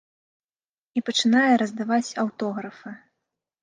І пачынае раздаваць аўтографы.